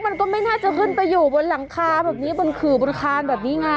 มันก็ไม่น่าจะขึ้นไปอยู่บนหลังคาแบบนี้บนขื่อบนคานแบบนี้ไง